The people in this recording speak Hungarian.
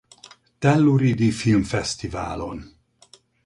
Telluride-i Filmfesztiválon.